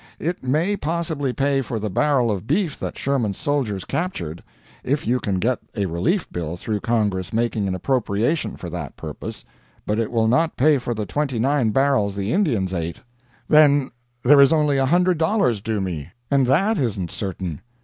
It may possibly pay for the barrel of beef that Sherman's soldiers captured, if you can get a relief bill through Congress making an appropriation for that purpose; but it will not pay for the twenty nine barrels the Indians ate." "Then there is only a hundred dollars due me, and that isn't certain!